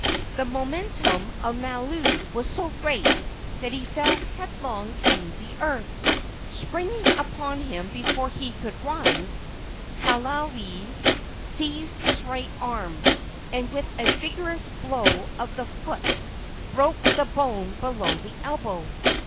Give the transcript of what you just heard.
The momentum of Mailou was so great that he fell headlong to the earth. Springing upon him before he could rise, Kaaialii seized his right arm, and with a vigorous blow of the foot broke the bone below the elbow.